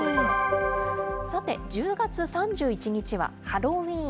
さて、１０月３１日はハロウィーン。